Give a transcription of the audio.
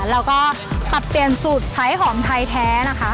แล้วก็ปรับเปลี่ยนสูตรใช้หอมไทยแท้นะคะ